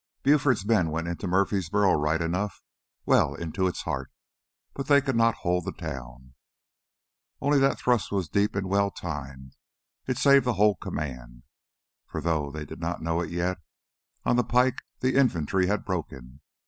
Buford's men went into Murfreesboro right enough, well into its heart. But they could not hold the town. Only that thrust was deep and well timed; it saved the whole command. For, though they did not know it yet, on the pike the infantry had broken.